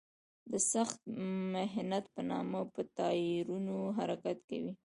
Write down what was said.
د سخت محنت په نامه په ټایرونو حرکت کوي.